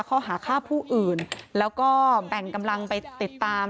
ข้อหาฆ่าผู้อื่นแล้วก็แบ่งกำลังไปติดตาม